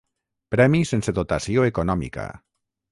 Premi sense dotació econòmica.